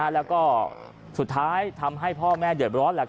แล้วก็สุดท้ายทำให้พ่อแม่เดือดร้อน